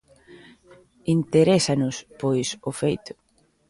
Interésanos, pois, o feito.